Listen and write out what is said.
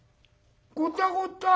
「ゴタゴタ？